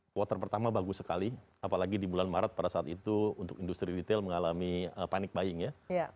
quarter pertama bagus sekali apalagi di bulan maret pada saat itu untuk industri retail mengalami panic buying ya